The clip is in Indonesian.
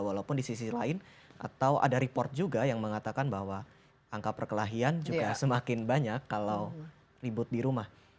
walaupun di sisi lain atau ada report juga yang mengatakan bahwa angka perkelahian juga semakin banyak kalau ribut di rumah